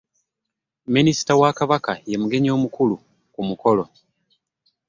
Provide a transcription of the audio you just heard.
Minisita wa Kabaka ye mugenyi omukulu ku mukolo.